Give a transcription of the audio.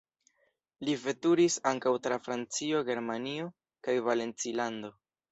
Li veturis ankaŭ tra Francio, Germanio kaj Valencilando.